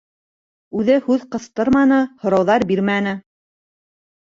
Үҙе һүҙ ҡыҫтырманы, һорауҙар бирмәне.